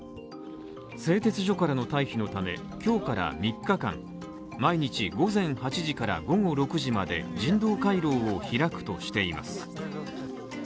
製鉄所からの退避のため、今日から３日間、毎日午前８時から午後６時まで、人道回廊を開くとしています。